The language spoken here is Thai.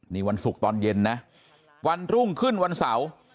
นี่วันศุกร์ตอนเย็นนะวันรุ่งขึ้นวันเสาร์